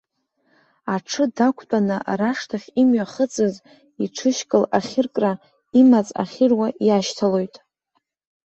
Аҽы дақәтәаны рашҭахь имҩахыҵыз, иҽышькыл ахьыркра, имаҵ ахьыруа иашьҭалоит.